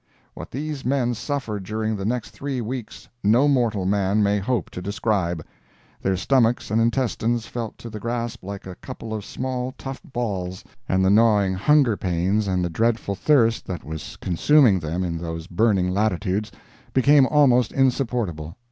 What these men suffered during the next three weeks no mortal man may hope to describe. Their stomachs and intestines felt to the grasp like a couple of small tough balls, and the gnawing hunger pains and the dreadful thirst that was consuming them in those burning latitudes became almost insupportable.